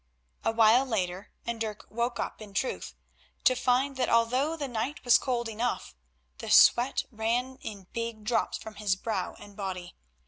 A while later and Dirk woke up in truth, to find that although the night was cold enough the sweat ran in big drops from his brow and body.